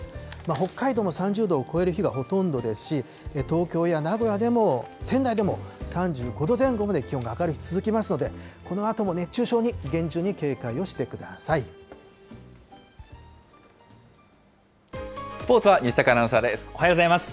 北海道も３０度を超える日がほとんどですし、東京や名古屋でも、仙台でも３５度前後まで気温が上がり続けますので、このあとも熱スポーツは西阪アナウンサーおはようございます。